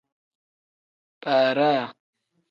Baaraa.